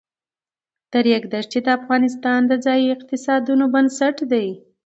د ریګ دښتې د افغانستان د ځایي اقتصادونو بنسټ دی.